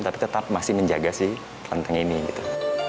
tapi tetap masih menjaga si kelenteng ini gitu